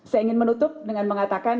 saya ingin menutup dengan mengatakan